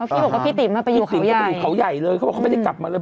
พี่บอกว่าพี่ติ๋มมาไปอยู่เขาใหญ่พี่ติ๋มมาไปอยู่เขาใหญ่เลยเขาบอกว่าเขาไม่ได้กลับมาเลย